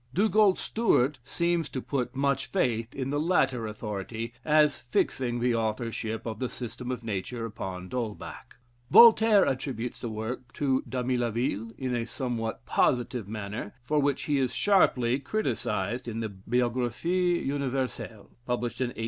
Dugald Stewart seems to put much faith in the latter authority, as fixing the authorship of the "System of Nature" upon D'Holbach. Voltaire attributes the work to Damilaville, in a somewhat positive manner, for which he is sharply criticised in the "Biographie Universelle," published in 1817.